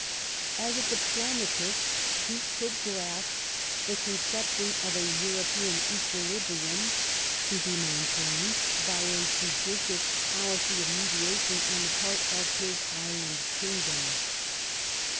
As a diplomatist he could grasp the conception of a European equilibrium, to be maintained by a judicious policy of mediation on the part of his island kingdom.